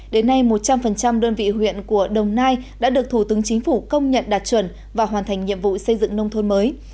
đến nay một trăm linh đơn vị huyện của đồng nai đã được thủ tướng chính phủ công nhận đạt chuẩn và hoàn thành nhiệm vụ xây dựng nông thôn mới